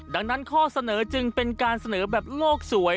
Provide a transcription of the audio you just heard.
ดังนั้นข้อเสนอจึงเป็นการเสนอแบบโลกสวย